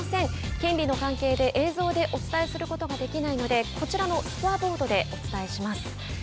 権利の関係で映像でお伝えすることができないのでこちらのスコアボードでお伝えします。